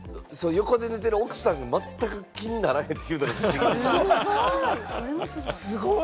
横で寝てる奥さんがまったく気にならへんというのが不すごい。